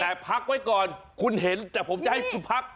แต่พักไว้ก่อนคุณเห็นแต่ผมจะให้คุณพัก